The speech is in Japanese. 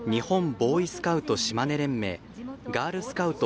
ボーイスカウト島根連盟ガールスカウト